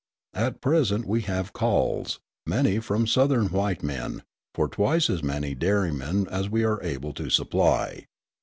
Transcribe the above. At present we have calls, mainly from Southern white men, for twice as many dairymen as we are able to supply.